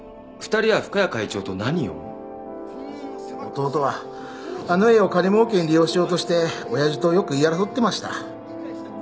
弟はあの絵を金儲けに利用しようとして親父とよく言い争ってました。